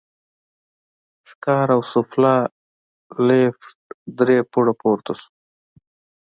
ښکار او سوفله، لېفټ درې پوړه پورته شو.